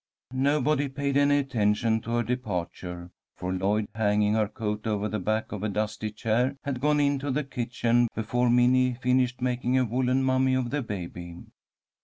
Nobody paid any attention to her departure, for Lloyd, hanging her coat over the back of a dusty chair, had gone into the kitchen before Minnie finished making a woollen mummy of the baby.